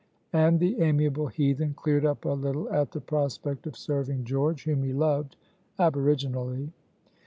And the amiable heathen cleared up a little at the prospect of serving George, whom he loved aboriginally.